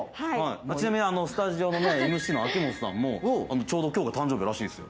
ちなみにスタジオのＭＣの秋元さんもちょうど今日が誕生日らしいですよ。